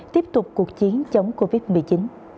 tiếp tục cuộc chiến chống covid một mươi chín